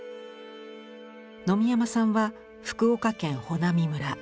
野見山さんは福岡県穂波村